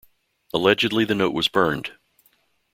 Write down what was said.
Allegedly, the note was burned.